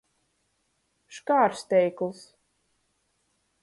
Škārsteikls.